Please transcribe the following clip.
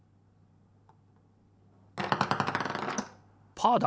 パーだ！